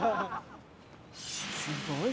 すごい。